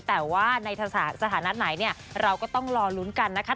แต่ว่าในสถานะไหนเนี่ยเราก็ต้องรอลุ้นกันนะคะ